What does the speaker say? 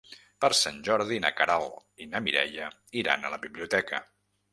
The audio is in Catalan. Per Sant Jordi na Queralt i na Mireia iran a la biblioteca.